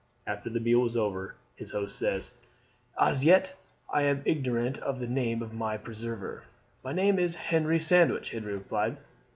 After the meal was over his host said: "As yet I am ignorant of the name of my preserver." "My name is Henry Sandwith," Harry replied.